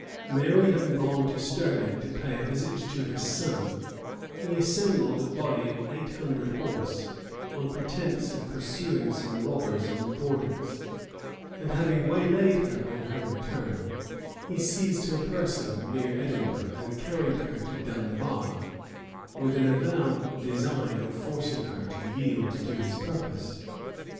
Mary having gone to Stirling to pay a visit to her son, he assembled a body of eight hundred horse, on pretence of pursuing some robbers on the borders; and having waylaid her on her return, he seized her person near Edinburgh, and carried her to Dunbar, with an avowed design of forcing her to yield to his purpose.